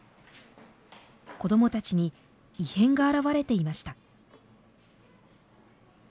子どもたちに異変が現れていました。